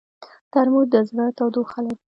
ترموز د زړه تودوخه لري.